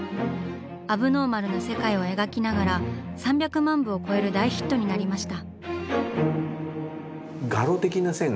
アブノーマルな世界を描きながら３００万部を超える大ヒットになりました。